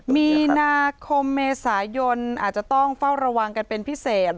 มีนาคมเมษายนอาจจะต้องเฝ้าระวังกันเป็นพิเศษ